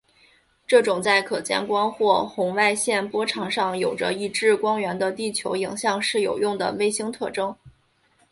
这种在可见光或红外线波长上有着一致光源的地球影像是有用的卫星特征。